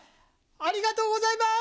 ありがとうございます。